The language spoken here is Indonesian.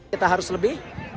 kita harus berkembang